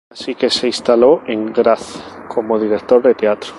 Así que se instaló en Graz como director de teatro.